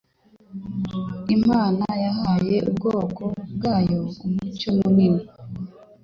Imana yahaye ubwoko bwayo umucyo munini,